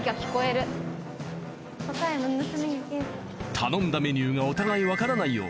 頼んだメニューがお互いわからないよう